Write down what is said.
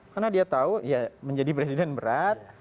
karena dia tahu ya menjadi presiden berat